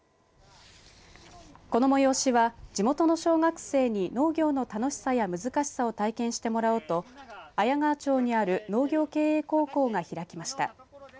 この催しは、地元の小学生に農業の楽しさや難しさを体験してもらおうと綾川町にある農業経営高校が開きました。